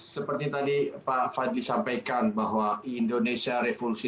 seperti tadi pak fadli sampaikan bahwa indonesia revolusi